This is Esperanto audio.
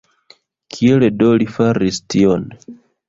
Kiel do li faris tion?